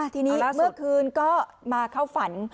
ทีนี้เมื่อคืนก็มาเข้าฝัน